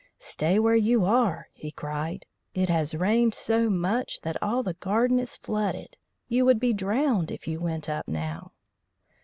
"Stay where you are," he cried. "It has rained so much that all the garden is flooded. You would be drowned if you went up now."